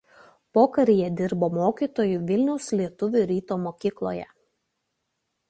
Pokaryje dirbo mokytoju Vilniaus lietuvių „Ryto“ mokykloje.